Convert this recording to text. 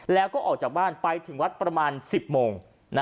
แล้วก็ออกจากบ้านไปถึงวัดประมาณ๑๐โมง